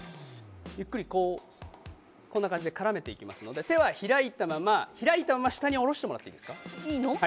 ゆっくりこんな感じで絡めますので手は開いたまま下に下ろしてもらっていいですか。